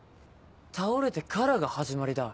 倒れてからが始まりだ。